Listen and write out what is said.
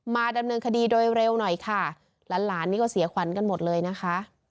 มาดำเนินคดีโดยเร็วหน่อยค่ะหลานหลานนี่ก็เสียขวัญกันหมดเลยนะคะ